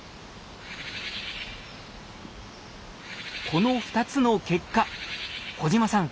この２つの結果小島さん